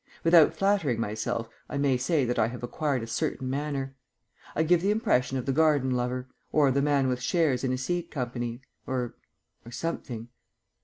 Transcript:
Without flattering myself I may say that I have acquired a certain manner; I give the impression of the garden lover, or the man with shares in a seed company, or or something.